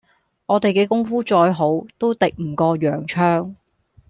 我哋嘅功夫再好，都敵唔過洋槍